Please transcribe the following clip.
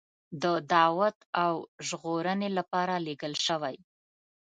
د دعوت او ژغورنې لپاره لېږل شوی.